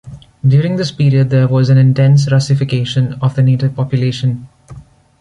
During this period there was an intense Russification of the native population.